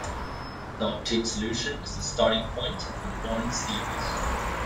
The obtained solution is the starting point of the Born series.